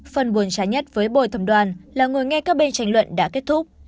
phần buồn chán nhất với bồi thẩm đoàn là ngồi nghe các bên tranh luận đã kết thúc